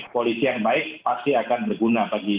polisi yang baik pasti akan berguna bagi